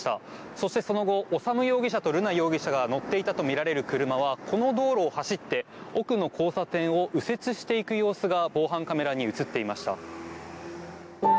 そして、その後修容疑者と瑠奈容疑者が乗っていたとみられる車はこの道路を走って奥の交差点を右折していく様子が防犯カメラに映っていました。